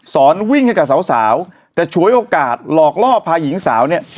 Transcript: สอนวิ่งให้กับสาวแต่ฉวยโอกาสหลอกล่อพาหญิงสาวเนี่ย